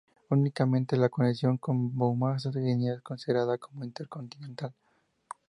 Únicamente la conexión con Mombasa, Kenia es considerada como intercontinental.